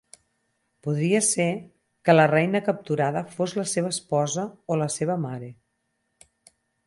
Podria ser que la reina capturada fos la seva esposa o la seva mare.